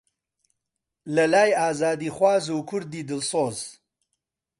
لەلای ئازادیخواز و کوردی دڵسۆز